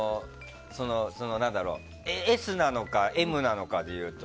ＳなのかＭなのかでいうと。